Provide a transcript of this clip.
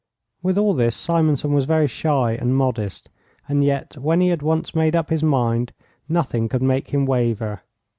With all this Simonson was very shy and modest; and yet when he had once made up his mind nothing could make him waver.